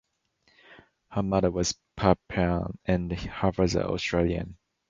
Her mother was Papuan and her father Australian.